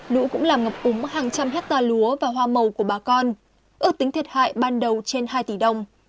lũ cũng làm ngập úng hàng trăm hectare lúa và hoa màu của bà con ước tính thiệt hại ban đầu trên hai tỷ đồng